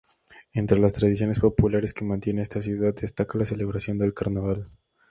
Entre las tradiciones populares que mantiene esta ciudad, destaca la celebración del Carnaval.